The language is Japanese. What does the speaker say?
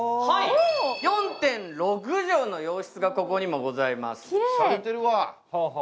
４．６畳の洋室がここにもございます